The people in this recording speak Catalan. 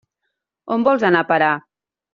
On vols anar a parar?